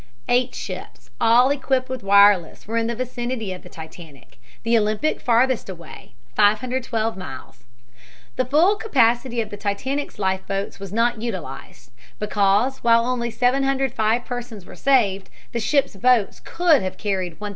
Eight ships, all equipped with wireless, were in the vicinity of the Titanic, the Olympic farthest away 512 miles. The full capacity of the Titanic's life boats was not utilized, because, while only 705 persons were saved, the ship's boats could have carried 1176.